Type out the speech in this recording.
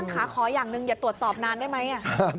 ขาขออย่างหนึ่งอย่าตรวจสอบนานได้ไหม